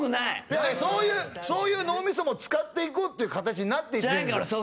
いやいやそういう脳みそも使っていこうっていう形になっていってるんですよ。